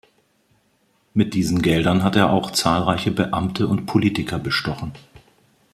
Mit diesen Geldern hat er auch zahlreiche Beamte und Politiker bestochen.